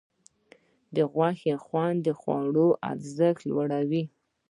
د غوښې خوند د خوړو ارزښت لوړوي.